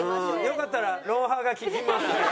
よかったら『ロンハー』が聞きますよ。